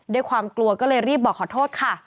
ด้วยความกลัวก็เลยรีบบอกขอโทษค่ะ